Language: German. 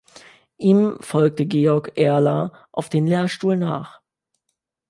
Ihm folgte Georg Erler auf den Lehrstuhl nach.